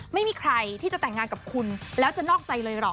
ไม่มีใครที่จะแต่งงานกับคุณแล้วจะนอกใจเลยหรอก